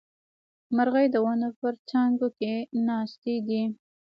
مرغۍ د ونو په څانګو کې ناستې دي